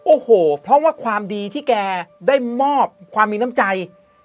โอ้โหเพราะว่าความดีที่แกได้มอบความมีน้ำใจ